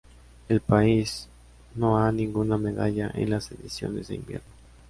El país no ha ninguna medalla en las ediciones de invierno.